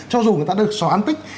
cho dù người ta được so án tích